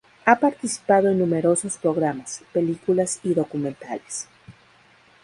Ha participado en numerosos programas, películas y documentales.